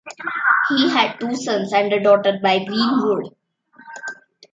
He had two sons and a daughter by Greenwood.